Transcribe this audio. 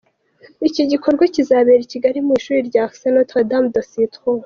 Iki gikorwa kikazabera i Kigali, mu ishuri rya Lycée Notre-Dame de Citeaux.